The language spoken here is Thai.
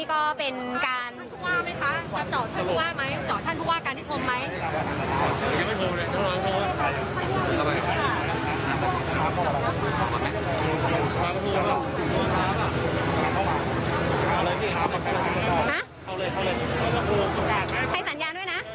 ต้องไหนค่ะต้องไหน